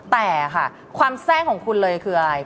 แต่ค่ะความแทรกของคุณเลยคืออะไร